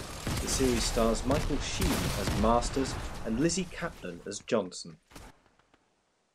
The series stars Michael Sheen as Masters and Lizzy Caplan as Johnson.